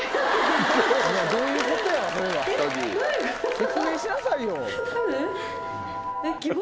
説明しなさいよ！